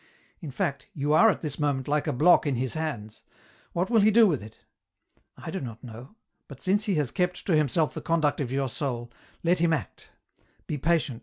" In fact you are at this moment like a block in His hands ; what will He do with it ? I do not know, but since He has kept to Himself the conduct of your soul, let Him act ; be patient.